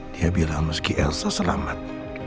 dia bilang meski elsa selamat